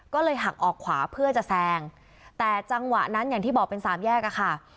ก็เลยหักออกขวาเพื่อจะแซงแต่จังหวะนั้นอย่างที่บอกเป็นสามแยกอะค่ะ